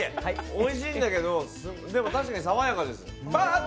おいしいんだけど、でも、確かに爽やかです。